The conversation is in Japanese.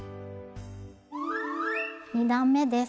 ２段めです。